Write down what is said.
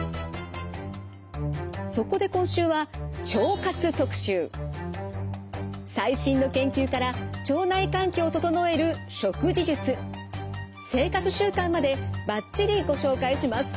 そこで今週は最新の研究から腸内環境を整える食事術生活習慣までバッチリご紹介します。